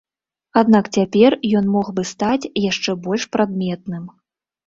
Аднак цяпер ён мог бы стаць яшчэ больш прадметным.